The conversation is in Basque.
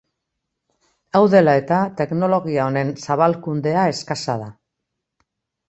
Hau dela eta teknologia honen zabalkundea eskasa da.